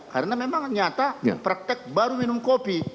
karena memang nyata praktek baru minum kopi